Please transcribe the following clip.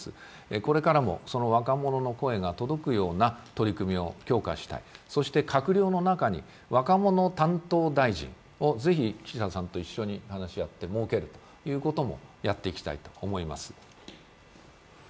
これからも若者の声が届くような取り組みを強化したい、そして閣僚の中に若者担当大臣をぜひ、岸田さんと一緒に話し合って設けるということもやっていきたいと思います。